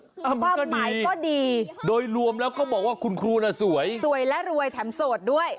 ความหมายก็ดีโดยรวมแล้วก็บอกว่าคุณครูน่ะสวยสวยและรวยแถมโสดด้วย